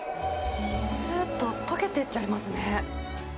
すーっと溶けてっちゃいますね。